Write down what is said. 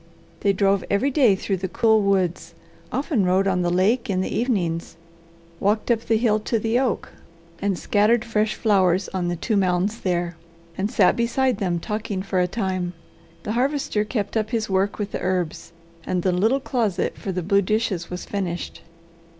They drove every day through the cool woods, often rowed on the lake in the evenings, walked up the hill to the oak and scattered fresh flowers on the two mounds there, and sat beside them talking for a time. The Harvester kept up his work with the herbs, and the little closet for the blue dishes was finished.